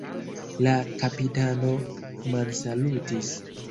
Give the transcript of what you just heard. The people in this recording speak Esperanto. La kapitano mansalutis.